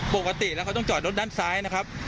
ปกติแล้วเขาต้องจอดรถด้านซ้ายนะครับ